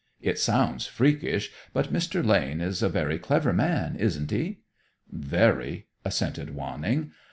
It sounds freakish, but Mr. Lane is a very clever man, isn't he?" "Very," assented Wanning.